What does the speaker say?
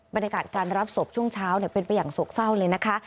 บรรยากาศการรับศพช่วงเช้าเป็นไปอย่างโศกเศร้าเลยนะคะ